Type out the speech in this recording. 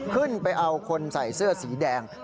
ขึ้นไปเอาคนใส่เสื้อสีแดง